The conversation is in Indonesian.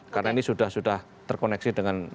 karena ini sudah sudah terkoneksi dengan